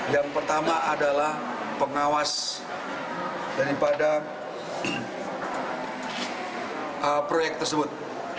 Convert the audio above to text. yang pertama adalah pengawas daripada proyek tersebut